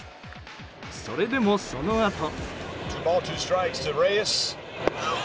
それでも、そのあと。